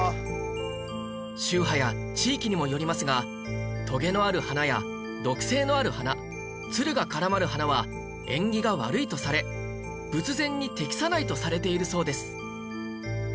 宗派や地域にもよりますがトゲのある花や毒性のある花ツルが絡まる花は縁起が悪いとされ仏前に適さないとされているそうです